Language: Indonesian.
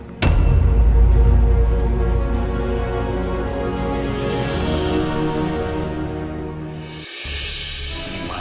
tapi saya juga berharap